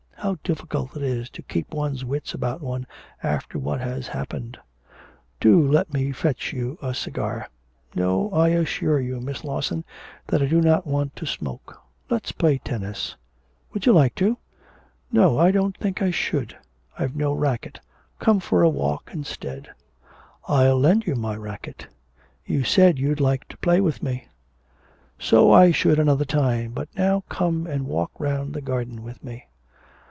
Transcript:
How difficult it is to keep one's wits about one after what has happened.' 'Do let me fetch you a cigar.' 'No, I assure you, Miss Lawson, that I do not want to smoke. Let's play tennis.' 'Would you like to?' 'No, I don't think I should. I've no racquet, come for a walk instead.' 'I'll lend you my racquet. You said you'd like to play with me.' 'So I should another time; but now come and walk round the garden with me.'